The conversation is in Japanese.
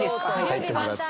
入ってもらって。